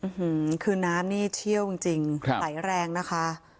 อุ้หือคืนน้ำนี่เชี่ยวจริงสายแรงนะคะ